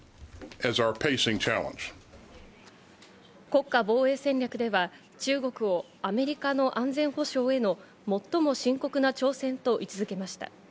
国家防衛戦略では中国をアメリカの安全保障への最も深刻な挑戦と位置付けました。